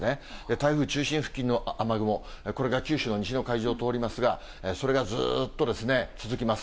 台風中心付近の雨雲、これが九州の西の海上を通りますが、それがずっと続きます。